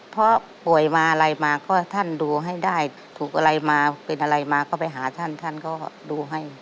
เพราะป่วยมาอะไรมาก็ท่านดูให้ได้ถูกอะไรมาเป็นอะไรมาก็ไปหาท่านท่านก็ดูให้